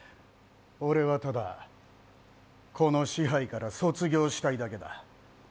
俺はただ、この支配から卒業したいだけだ。